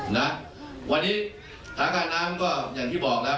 นะวันนี้สถานการณ์น้ำก็อย่างที่บอกแล้ว